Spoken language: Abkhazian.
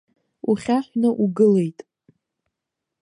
Ухьаҳәны угылеит.